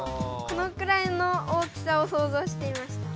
このくらいの大きさをそうぞうしていました。